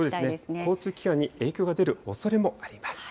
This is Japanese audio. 交通機関に影響が出るおそれもあります。